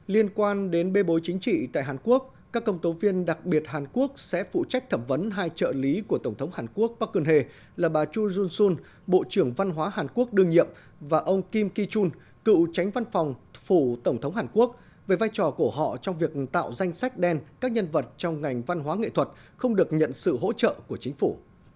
liên quan đến bê bối chính trị tại hàn quốc các công tố viên đặc biệt hàn quốc sẽ phụ trách thẩm vấn hai trợ lý của tổng thống hàn quốc park geun hye là bà chu jun sun bộ trưởng văn hóa hàn quốc đương nhiệm và ông kim ki chun cựu tránh văn phòng phủ tổng thống hàn quốc về vai trò của họ trong việc tạo danh sách đen các nhân vật trong ngành văn hóa nghệ thuật không được nhận sự hỗ trợ của chính phủ